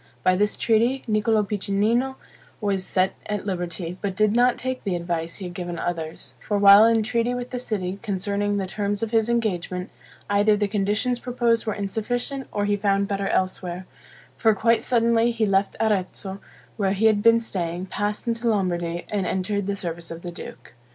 By this treaty, Niccolo Piccinino was set at liberty, but did not take the advice he had given others; for while in treaty with the city, concerning the terms of his engagement, either the conditions proposed were insufficient, or he found better elsewhere; for quite suddenly he left Arezzo, where he had been staying, passed into Lombardy, and entered the service of the duke.